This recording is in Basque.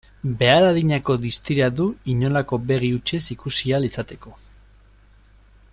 Behar adinako distira du inolako begi hutsez ikusi ahal izateko.